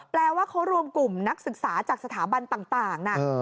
แปลว่าเขารวมกลุ่มนักศึกษาจากสถาบันต่างนะ